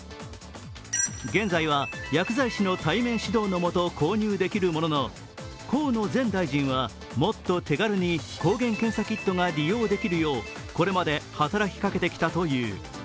現在は薬剤師の対面指導の元、購入できるものの、河野前大臣はもっと手軽に抗原検査キットが利用できるようこれまで働きかけてきたという。